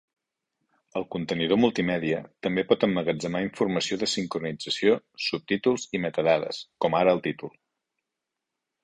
El contenidor multimèdia també pot emmagatzemar informació de sincronització, subtítols i metadades, com ara el títol.